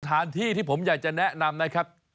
สถานที่ที่ผมอยากจะแนะนำนะครับ